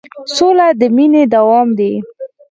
سوله د مینې دوام دی.